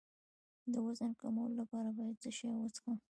د وزن کمولو لپاره باید څه شی وڅښم؟